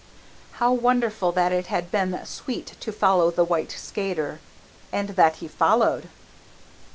How wonderful that it had been sweet to follow the white skater, and that he followed!